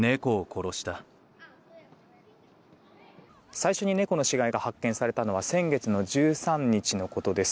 最初に猫の死骸が発見されたのは先月１３日のことです。